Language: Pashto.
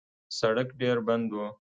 سړک ډېر بند و.